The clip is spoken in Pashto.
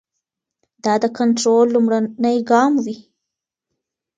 دا د کنټرول لومړنی ګام وي.